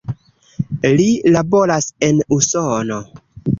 Li laboras en Usono.